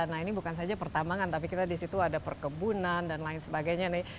nah ini bukan saja pertambangan tapi kita di situ ada perkebunan dan lain sebagainya nih